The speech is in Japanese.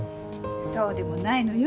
そうでもないのよ。